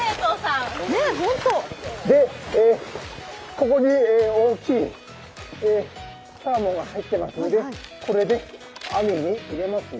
ここに大きいサーモンが入っていますので、これで網に入れますよ。